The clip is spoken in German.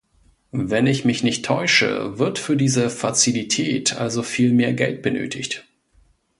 Wenn ich mich nicht täusche, wird für diese Fazilität also viel mehr Geld benötigt.